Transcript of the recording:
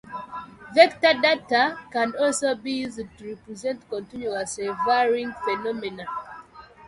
Vector data can also be used to represent continuously varying phenomena.